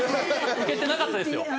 ウケてなかったですよ